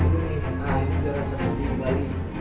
dulu nih ini juara seri di bali